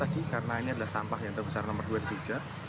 iya satu tadi karena ini adalah sampah yang terbesar nomor dua di jogja